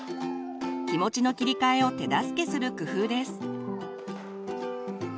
気持ちの切り替えを手助けする工夫です。